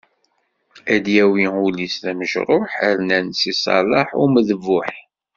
Ad d-yawi ul-is d amejruḥ, rnan Si Ṣaleḥ Umedbuḥ.